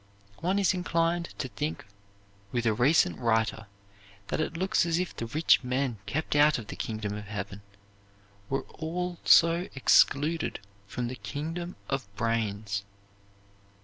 One is inclined to think with a recent writer that it looks as if the rich men kept out of the kingdom of heaven were also excluded from the kingdom of brains.